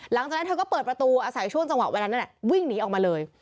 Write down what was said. หลังจากนั้นเธอก็เปิดประตูอาศัยช่วงจังหวะเวลานั้นนั่นแหละวิ่งหนีออกมาเลย